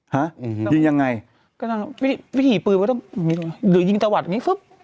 ฮะยิงยังไงก็ต้องวิถีปืนก็ต้องหรือยิงตะวัดอย่างงี้ปุ๊บ